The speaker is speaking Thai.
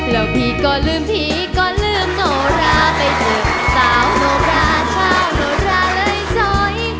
แล้วพี่ก็ลืมผีก็ลืมโนราไปเถอะสาวโนราชาโนราเลยจอย